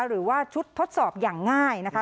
หรือว่าชุดทดสอบอย่างง่ายนะคะ